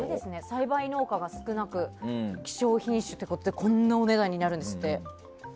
栽培農家が少なく希少品種ということでこんなお値段になるんですって。